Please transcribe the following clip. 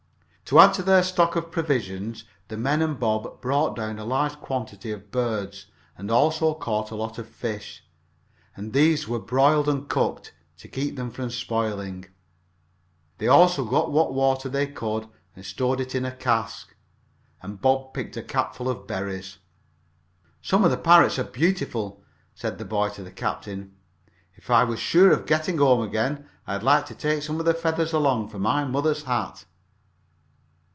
To add to their stock of provisions the men and Bob brought down a large quantity of birds and also caught a lot of fish, and these were broiled and cooked, to keep them from spoiling. They also got what water they could and stored it in a cask, and Bob picked a capful of berries. "Some of the parrots are beautiful," said the boy to the captain. "If I was sure of getting home again I'd like to take some of the feathers along, for my mother's hat."